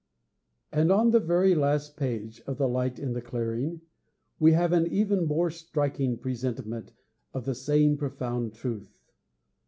VI And, on the very last page of The Light in the Clearing, we have an even more striking presentment of the same profound truth.